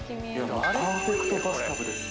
パーフェクトバスタブですね。